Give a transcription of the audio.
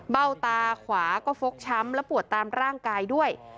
ตาขวาก็ฟกช้ำและปวดตามร่างกายด้วย